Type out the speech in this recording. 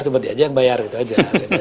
cuma dia aja yang bayar gitu aja